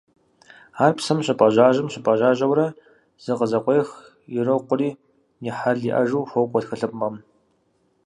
Ар псэм щыпӀэжьажьэм – щыпӀэжьажьэурэ зыкъызэкъуех, ирокъури, «и хьэл иӀэжу» хуокӀуэ тхылъымпӀэм.